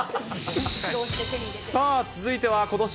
さあ、続いてはことし